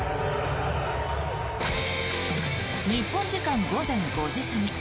日本時間午前５時過ぎ